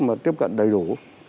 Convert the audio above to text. mà tiếp cận đầy đủ